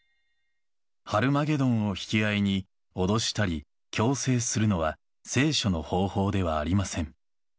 ハルマゲドンを引き合いに脅したり、強制するのは、聖書の方法ではありません。